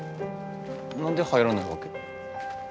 何で入らないわけ？